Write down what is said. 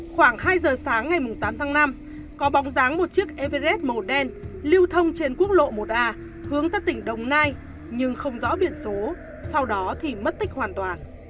khoảng hai giờ sáng ngày tám tháng năm có bóng dáng một chiếc everes màu đen lưu thông trên quốc lộ một a hướng tới tỉnh đồng nai nhưng không rõ biển số sau đó thì mất tích hoàn toàn